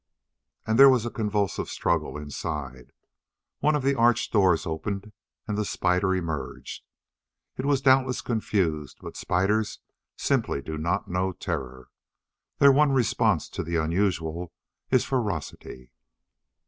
And there was a convulsive struggle inside it. One of the arch doors opened and the spider emerged. It was doubtless confused, but spiders simply do not know terror. Their one response to the unusual is ferocity.